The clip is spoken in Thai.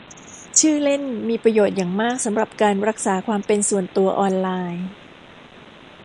ชื่อเล่นมีประโยชน์อย่างมากสำหรับการรักษาความเป็นส่วนตัวออนไลน์